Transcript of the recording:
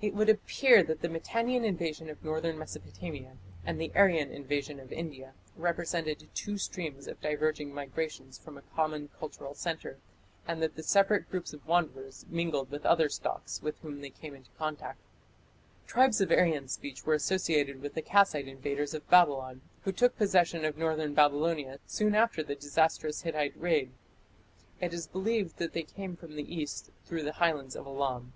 It would appear that the Mitannian invasion of northern Mesopotamia and the Aryan invasion of India represented two streams of diverging migrations from a common cultural centre, and that the separate groups of wanderers mingled with other stocks with whom they came into contact. Tribes of Aryan speech were associated with the Kassite invaders of Babylon, who took possession of northern Babylonia soon after the disastrous Hittite raid. It is believed that they came from the east through the highlands of Elam.